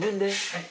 はい。